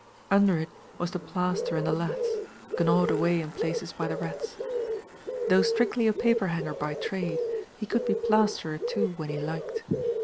Under it was the plaster and the laths, gnawed away in places by the rats. Though strictly a paperhanger by trade, he could be plasterer too when he liked.